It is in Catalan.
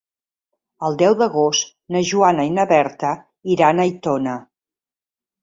El deu d'agost na Joana i na Berta iran a Aitona.